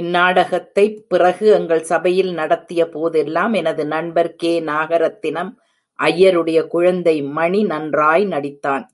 இந்நாடகத்தைப் பிறகு எங்கள் சபையில் நடத்தியபோதெல்லாம் எனது நண்பர் கே. நாகரத்தினம் ஐயருடைய குழந்தை மணி நன்றாய் நடித்தான்.